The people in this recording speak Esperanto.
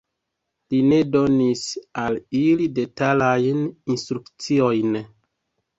Li ne donis al ili detalajn instrukciojn.